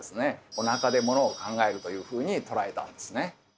「おなかでものを考える」というふうに捉えたんですね。